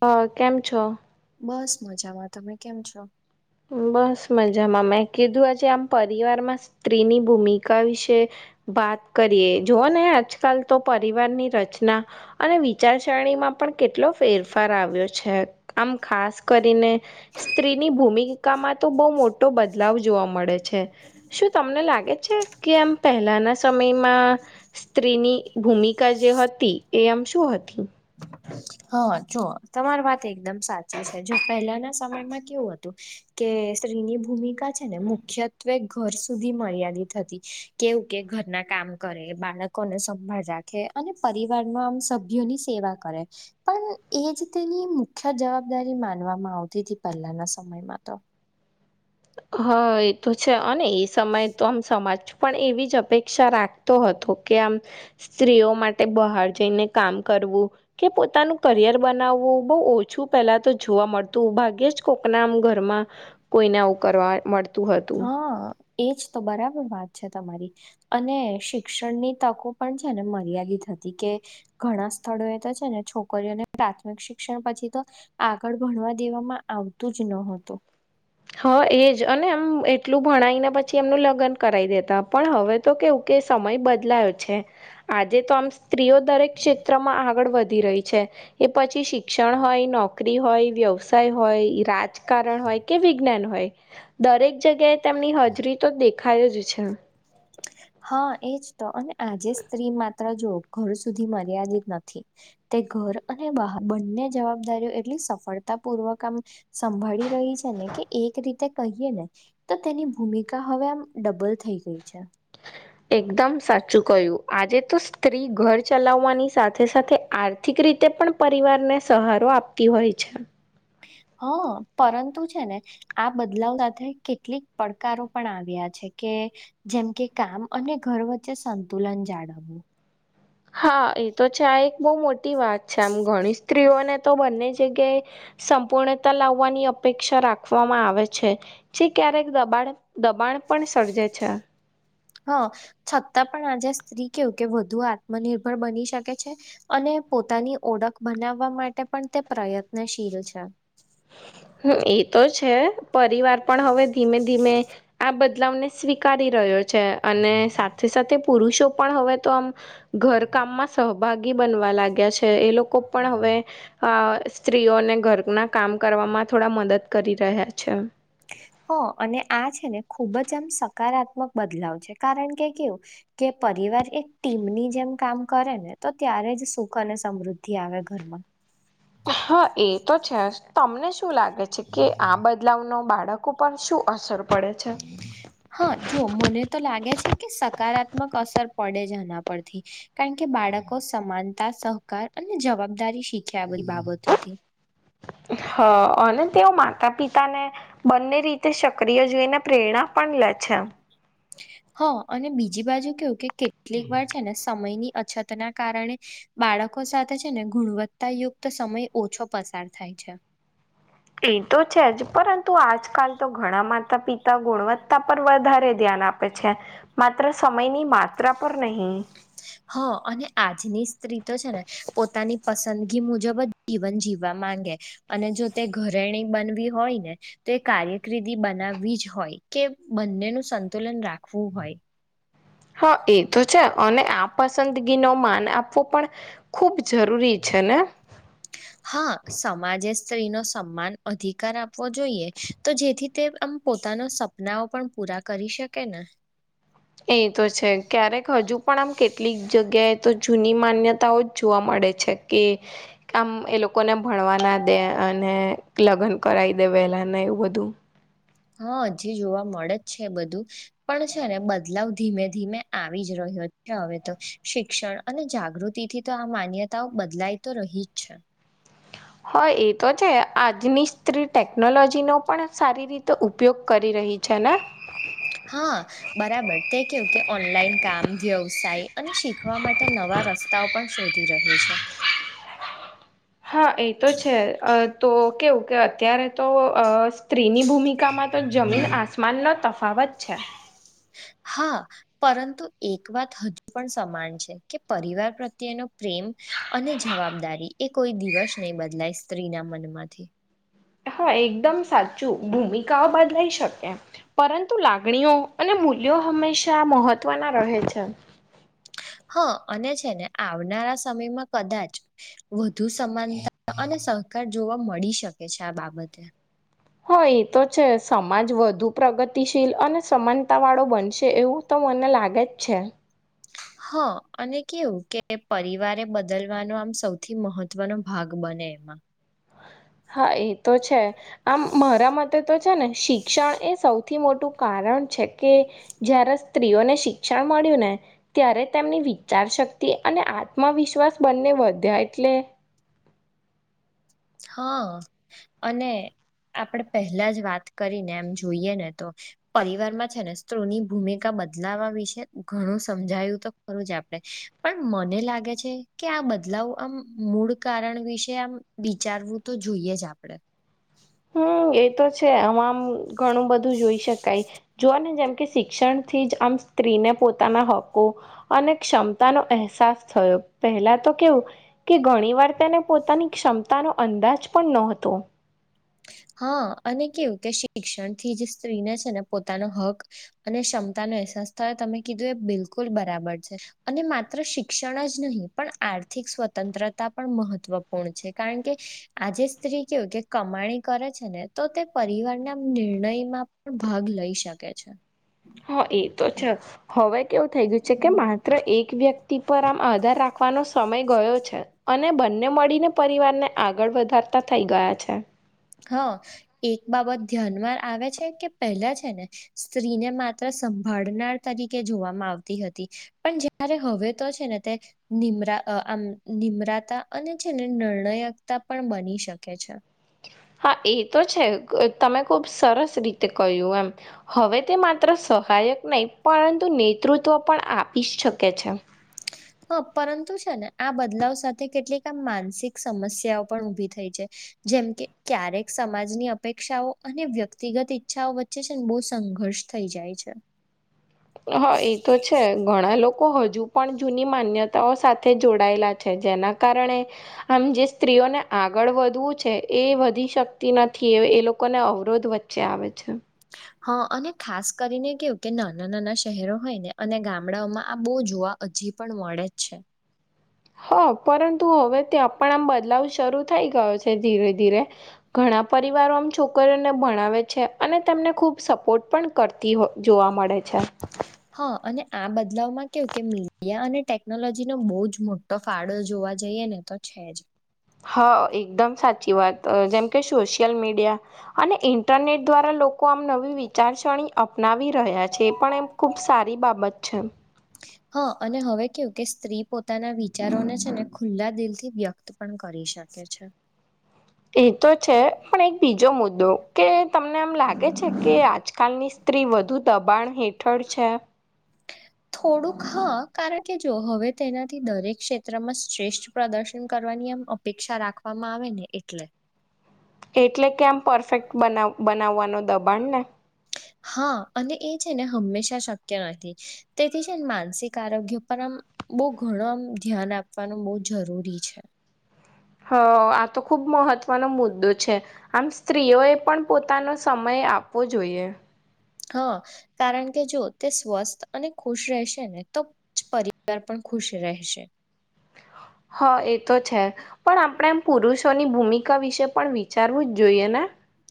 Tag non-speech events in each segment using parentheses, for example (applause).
હ કેમ છો બસ મજામાં તમે કેમ છો હું બસ મજામાં મેં કીધું આજે આમ પરિવારમાં સ્ત્રીની ભૂમિકા વિશે વાત કરીએ જોઓ ને આજકાલ તો પરિવારની રચના અને વિચારસરણીમાં પણ કેટલો ફેરફાર આવ્યો છે આમ ખાસ કરીને સ્ત્રીની ભૂમિ તો બહ મોટો બદલાવ જોવા મળે છે શું તમને લાગે છે કે એમ પહેલા આના સમયમાં સ્ત્રીની ભૂમિકા જે હતી એ આમ શું હતી હા જો તમારી વાત એકદમ સાચી છે જો પહેલાના સમયમાં કેવું હતું કે સ્ત્રીની ભૂમિકા છે ને મુખ્યત્વે ઘર સુધી મર્યાદિત હતી કેવું કે ઘરના કામ કરે બાળકોને સંભાળ રાખે અને પરિવારમાં આમ સભ્યોની સેવા કરે પણ એ જ તેની મુખ્ય જવાબદારી માનવામાં આવતી હતી પહેલાના સમયમાં તો હા એ તો છે અને એ સમય તો આમ સમાજું પણ એવી જ અપેક્ષા રાખતો હતો કે આમ સ્ત્રીઓ માટે બહાર જઈને કામ કર પોતાનું કરિયર બનાવું બ ઓછું પહેલા તો જોવા મળતું ભાગ્ય જ કોકના મ ઘરમાં કોઈને આવું કરવા મળતું હતું હા એજ તો બરાબર વાત છે તમારી અને શિક્ષણની તકો પણ છે ને મર્યાદિત કે ઘણા સ્થળો એ તો છે ને છોકરીઓને પ્રાથમિક શિક્ષણ પછી તો આગળ ભણવા દેવામાં આવતું જ નતું હા એજ અને એમ એટલું ભણાઈને પછી એમનું લગ્ન કરાવી દેતા પણ હવે તો કેવું કે તે સમય બદલાયો છે આજે તો આમ સ્ત્રીઓ દરેક ક્ષેત્રમાં આગળ વધી રહી છે એ પછી શિક્ષણ હોય નોકરી હોય વ્યવસાય હોય રાજકારણ હોય કે વિજ્ઞાન હોય દરેક જગ્યાએ તેમની હાજરી તો દેખાય જ છે હા એજ તો અને આજે સ્ત્રીમાં ઘર સુધી મર્યાદિત નથી તે ઘર અને બહાર બંને જવાબદારીઓ એટલી સફળતા પૂર્વક આમ સંભાળી રહી છે ને કે એક રીતે કહીએ ને તો તેની ભૂમિકા હવે આમ ડબલ થઈ ગઈ છે એકદમ સાચું કહ્યું આજે તો સ્ત્રી ઘર ચલાવવાની સાથે સાથે આતી આર્થિક રીતે પણ પરિવારને સહારો આપતી હોય છે હ પરંતુ છે ને આ બદલાવ સાથે કેટલીક પડકારો પણ આવ્યા છે કે જેમ કે કામ અને ઘર વચ્ચે સંતુલન જાળવવું હા એ તો છે આ એક બહુ મોટી વાત છે આમ ગણીશ સ્ત્રીઓને તો બંને જગ્યાએ સંપૂર્ણતા લાવવાની અપેક્ષા રાખવામાં આવે છે જે ક્યારેક દબાણ દબાણ પણ સર્જે છે હા છતાં પણ આજે સ્ત્રી કેવું કે વધુ આત્મનિર્ભર બની શકે છે અને પોતાની ઓળખ બનાવવા માટે પણ તે પ્રયત્નશીલ છે હ એ તો છે પરિવાર પણ હવે ધીમે ધીમે આ બદલાવને સ્વીકારી રહ્યો છે અને સાથે સાથે પુરુષો પણ હવે તો આમ ઘર કામમાં સહભાગી બનવા લાગ્યા છે એ લોકો લોકો પણ હવે અ સ્ત્રીઓને ઘરના કામ કરવામાં થોડા મદદ કરી રહ્યા છે હ અને આ છે ને ખૂબ જ આમ સકારાત્મક બદલાવ છે કારણ કે કેવું કે વાર એક ટીમની જેમ કામ કરે ને તો ત્યારે જ સુખ અને સમૃદ્ધિ આવે ઘરમાં હા એ તો છે તમને શું લાગે છે કે આ બદલાવ ન બાળક બાળક પર શું અસર પડે છે? હા જો મને તો લાગે છે કે સકારાત્મક અસર પડે જના પરથી કારણ કે બાળકો સમાનતા સહકાર અને જવાબદારી શીખ્યા બધી બાબતોથી હ હ અને તેઓ માતા પિતા ને બંને રીતે સક્રિય જોઈને પ્રેરણા પણ લે છે છા હ અને બીજી બાજુ કેવું કે કેટલીક વાર છે ને સમયની અછત ના કારણે બાળક લોકો સાથે છે ને ગુણવત્તાયુક્ત સમય ઓછો પસાર થાય છે એ તો છે જ પરંતુ આજકાલ તો ઘણા માતા પિતા ગુણવત્તા પર વધારે ધ્યાન આપે છે માત્ર સમયની માત્રા પર નહીં. હ અને આજની સ્ત્રી તો છે ને પોતાની પસંદગી મુજબ જ જીવન જીવવા માંગે અને જો તે ઘરેણી બનવી હોય ને તે કાર્યકિર્દી બનાવવી જ હોય કે બંનેનું સંતુલન રાખવું હોય હા એ તો છે અને આ પસંદગી નો માન આપવો પણ ખુબ જરૂરી છે ને સ્ત્રી નો સમાન અધિકાર આપવો જોઈએ તો જેથી તે આમ પોતાના સપનાઓ પણ પૂરા કરી શકે ને હ એ તો છે ક્યારેક હજુ પણ આમ કેટલીક જગ્યાએ તો જૂની માન્યતાઓ જ જોવા મળે ે છે કે આામ એ લોકોને ભણવા ના દે અને લગ્ન કરાવ દે પહેલાને એવું બધું હા હજી જોવા મળે જ છે બધું પણ છે ને બદલાવ ધીમે ધીમે આવી જ રહ હવે તો શિક્ષણ અને જાગૃતિ થી તો આ માન્યતાઓ બદલાય તો રહી જ છે હ એ તો છે આજની સ્ત્રી ટેકનોલોજીનો પણ સારી રીતે ઉપયોગ કરી રહી છે ને હા બરાબર તે કેવું કે ઓનલાઈન કામ વ્યવસાય અને શીખવા માટે ન નવા રસ્તાઓ પણ શોધી રહી છે હા એ તો છે તો કેવું કે અત્યારે તો સ્ત્રીની ભૂમિકામાં તો જમીન આસમાનનોો તફાવત છે હા પરંતુ એક વાત હજુ પણ સમાન છે કે પરિવાર પ્રત્યેનો પ્રેમ અને જવાબદારી એ કોઈ દિવસ નહી બદલાય સ્ત્રીના મનમાંથી હા એકદમ સાચું ભૂમિકાઓ બદલાઈ શકે પરંતુ લાગણીઓ અને મૂલ્યો હંમેશા મહત્વની રહે છે હા અને છે ને આવનારા સમયમાં કદાચ વધુ સમાનતા અને સરકાર જોવા મળી શકે છે આ બાબતે હ એ તો છે સમાજ વધુ પ્રગતિશીલ અને સમાન તા વાળો બનશે એવું તો મને લાગે જ છે હ અને કેવું કે પરિવારે બદલવાનો આમ સૌથી મહત્વનો ભાગ બને એમાં હા એ તો છે આમ મારા મતે તો ને શિક્ષણ એ સૌથી મોટું કારણ છે કે જયારે સ્ત્રીઓને શિક્ષણ મળે ને ત્યારે તેમની વિચાર શક્તિ અને આત્મવિશ્વાસ બંને વધ્યા એટલે હા અને આપણે પહેલા જ વાત કરીને એમ જોઈએ ને તો પરિવારમાં છે ને સ્તુની ભૂમિકા બદલાવા વિશે ઘણું સમજાયું તો ખરું જ આપણે પણ મને લાગે છે કે આ બધ બદલાવ આમ મૂળ કારણ વિશે આમ વિચારવું તો જોઈએ જ આપડે હમ એ તો છે આમ ઘણું બધું જોઈ શકાય જો ને જેમ કે શિક્ષણથી જ આમ સ્ત્રીને પોતાના હકો અને ક્ષમતાનોો અહેસાસ થયો પહેલા તો કેવું કે ઘણી વાર તેને પોતાની ક્ષમતાનો અંદાજ પણ ન હતો હા અને કેવું કે શિક્ષણથી જે સ્ત્રીને છે, ને પોતાનો હક અને ક્ષમતા ન એહસાસ થાય તમે કીધું એ બિલકુલ બરાબર છે, અને માત્ર શિક્ષણ જ નહીં પણ આ થિક સ્વતંત્રતા પણ મહત્વપૂર્ણ છે, કારણ કે આજે સ્ત્રી કેવું કે કમાણી કરે છે, ને તો તે પરિવારના નિર્ણયમાં પણ ભાગ લઈ શકે છે. હા એ તો છે, હવે કેવું થઈ ગયું છે, કે માત્ર એક વ્યક ટી પર આમ આધાર રાખવાનો સમય ગયો છે, અને બંને મળીને પરિવારને આગળ વધા તા થઈ ગયા છે. હા એક બાબત ધ્યાનમાં આવે છે, કે પહેલા છે, ને સ્ત્રીને માત્ર સંભનાર તરીકે જોવામાં આવતી હતી પણ જ્યારે હવે તો છે, ને તે નિમરા અ આમ નિમ્રતા અને છે, ને નર્ણાયકતા પણ બની શકે છે. હા એ તો છે, તમે ખુબ સરસ રીતે કહ્યું એમ હવે તે માત્ર સહાયક નય પરંતુ નેતૃત્વ પણ આપી શકે છે. હ પરંતુ છે, ને આ બદલાવ સાથે કેટલીક આ માનસિક સમસ્યાઓ પણ ઉભી થઈ છે. જેમ કે ક્યારેક સમાજની અપેક્ષાઓ અને વ્યક્તિગત ઈચ્છાઓ વચ્ચે છે, ને બહુ સંઘર્ષ થઈ જાય છે. હા એ તો છે, ઘણા લોકો હજુ પણ જૂની માન્યતાઓ સાથે જોડાયેલા છે, જેના કારણે આમ જે સ્ત્રીઓને આ ગળ વધવું છે, એ વધી શકતી નથી એ એ લોકોને અવરોધ વચ્ચે આવે છે. હ અને ખાસ કરીને કેવું કે નાના નાના શહેરો હોય ને અને ગામડાઓમાં આ બો જોવા હજી પણ મળે જ છે. હા પરંતુ હવે ત્યાં પણ આમ બદલાવ શરૂ થઈ ગયો છે, ધીરે ધીરે ઘ ણા પરિવારો આમ છોકરીઓને ભણાવે છે, અને તેમને ખૂબ સપોર્ટ પણ કરતી હો જોવા મ ળે છે. હ અને આ બદલાવમાં કેવું કે મીડિયા અને ટેકનોલોજીનો બો જ મોટો ફાળો જો વા જઈએ ને તો છે, જ હા એકદમ સાચી વાત જેમ કે સો યલમીડયા અને ઇન્ટરનેટ દ્વારા લોકો આમ નવી વિચારસર અપનાવી રહ્યા છે, એ પણ એમ ખુબ સારી બાબત છે. હ અને હવે કેવું કે સ્ત્રી પોતાના વિચારોને છે, ને ખુલ્લા દિલથી વ્યક્ત પણ કરી શ કે છે. એ તો છે, પણ એક બીજો મુદ્દો કે તમને આમ લાગે છે, કે આજકાલની ત્રી વધુ દબાણ હેઠળ છે. થોડુંક હા કારણ કે જો હવે તેનાથી દરેક ક્ષેત્રમાં શ્રેષ્ઠ પ્રદર્શન કર વા ની આમ અપેક્ષા રાખવામાં આવે ને એટલે એટલે કેમ પરફેક્ટ બનાવ બનાવવાનો દબાણને? હ અને એ છે, ને હંમેશા શક્ય નથી તેથી છે ને માનસિક આરોગ્ય પર આમ બો ઘણું આમ ધ્યાન આપવાનું બો જરૂરી છે. હ આ તો ખુબ મહત્વનો મુદ્દો છે, આમ સ્ત્રીઓ એ પણ પોતાનો સમય આપવો જોઈએ. હ કારણ કે જો તે સ્વસ્થ અને ખુશ રહેશે ને તો પરિવાર પણ ખુશ રહેશે (inaudible) હ એ તો છે, પણ આપણે એમ પુરુષોની ભૂમિકા વિશે પણ વિચારવું જ જોઈએ ને?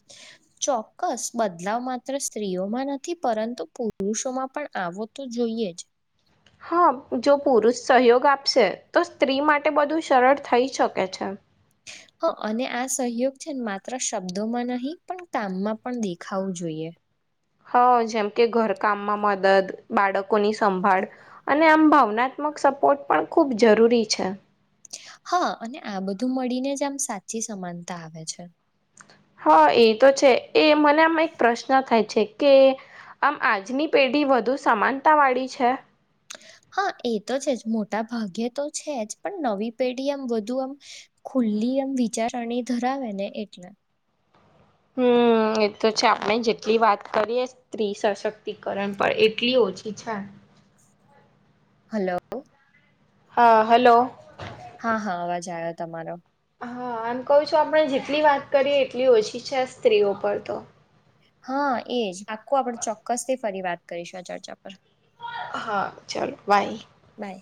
હ ચોક્કસ બદલાવ માત્ર સ્ત્રીઓમાં નથી પરંતુ પુરુષોમાં પણ આવો તો જોઈ એ જ હા જો પુરુષ સહયોગ આપશે તો સ્ત્રી માટે બધું સરળ થઈ શકે છે. (inaudible) હ અને આ સહયોગ છે, માત્ર શબ્દોમાં નહીં પણ કામમાં પણ દેખાવું જોઈએ હ જેમ કે ઘરકામમાં મદદ બાળકોની સંભાળ અને આમ ભાવનાત્મ ત્મક સપોર્ટ પણ ખૂબ જરૂરી છે હા અને આ બધું મળીને જ આમ સાચી સમાનતા આવે છે હા એ તો છે એ મને આમાં એક પ્રશ્ન થાય છે કે આમ આજની પેઢી વધુ સમાનતા વાળી છે હા એ તો છે જ મોટા ભાગ્યે તો છે જ પણ નવી પેઢી આમ વધુ આમ ખ મુુલ્લીયમ વિચારણી ધરાવે ને એટલે હમ હ એ તો છે આપણે જેટલી વાત કરીએ સ્ત્રી સશક્તિકરણ પર એટલી ઓછી છે હલો હા હલો હા હા અવાજ આવ્યો તમારો હા આમ કહ છું આપણે જેટલી વાત કરીએ એટલી ઓછી છે આ સ્ત્રીઓ પર તો હા એજ આખું આપડ ચોક્કસથી ફરી વાત કરીશું આ ચર્ચા પર હા ચાલો બાય બાય